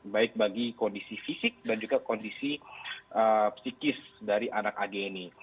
baik bagi kondisi fisik dan juga kondisi psikis dari anak ag ini